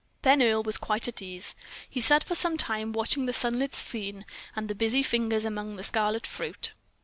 Then Earle was quite at ease. He sat for some time watching the sunlit scene, and the busy fingers among the scarlet fruit.